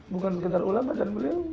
bukan sekedar ulama dan beliau